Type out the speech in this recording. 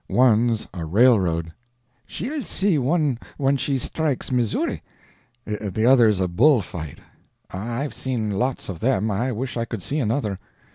One's a railroad." "She'll see one when she strikes Missouri." "The other's a bull fight." "I've seen lots of them; I wish I could see another."